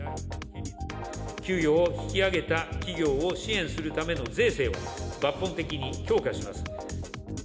給与を引き上げた企業を支援するための税制を抜本的に強化します。